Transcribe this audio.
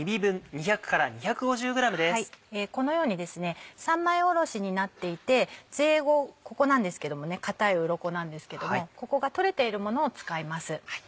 このように三枚おろしになっていてゼイゴここなんですけども硬いウロコなんですけどもここが取れているものを使います。